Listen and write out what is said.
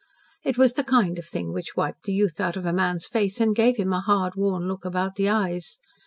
It was the kind of thing which wiped the youth out of a man's face and gave him a hard, worn look about the eyes.